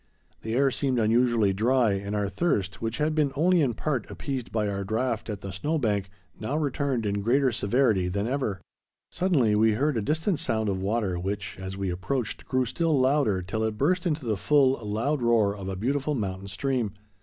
The air seemed unusually dry, and our thirst, which had been only in part appeased by our draught at the snow bank, now returned in greater severity than ever. Suddenly we heard a distant sound of water, which, as we approached, grew still louder, till it burst into the full, loud roar of a beautiful mountain stream.